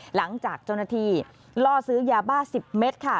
หลังจากเจ้าหน้าที่ล่อซื้อยาบ้า๑๐เมตรค่ะ